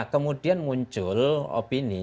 kemudian muncul opini